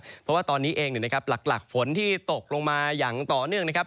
เพราะว่าตอนนี้เองนะครับหลักฝนที่ตกลงมาอย่างต่อเนื่องนะครับ